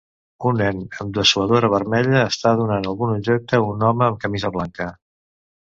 Un nen amb dessuadora vermella està donant algun objecte a un home amb camisa blanca.